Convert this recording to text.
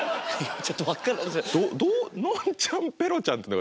ちょっと分かんない。